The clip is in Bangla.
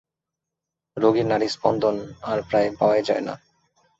রোগীর নাড়ির স্পন্দন আর প্রায় পাওয়াই যায় না।